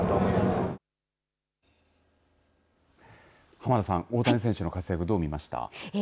濱田さん大谷選手の活躍、どう見ました。